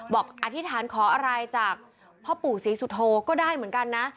อธิษฐานขออะไรจากพ่อปู่ศรีสุโธก็ได้เหมือนกันนะ